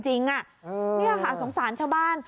นี่ค่ะสงสารชาวบ้าน